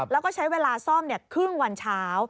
แล้วก็ใช้เวลาซ่อมครึ่งวันเช้า